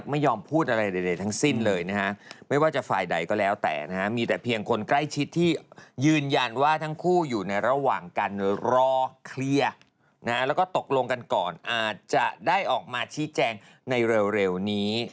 ไม่ว่าจะฝ่ายใดก็แล้วแต่นะมีแต่เพียงคนใกล้ชิดที่ยืนยันว่าทั้งคู่อยู่ในระหว่างกันรอเคลียร์ก็ตกลงกันก่อนจะออกมาชี้แจงในเร็วนี้